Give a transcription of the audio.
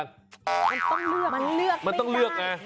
มันต้องเลือกมันเลือกไม่ได้